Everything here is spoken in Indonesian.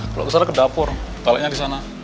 kalau kesana ke dapur toiletnya di sana